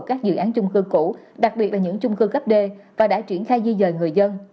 các dự án chung cư cũ đặc biệt là những chung cư gấp d và đã triển khai di dời người dân